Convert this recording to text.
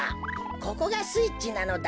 ここがスイッチなのだ。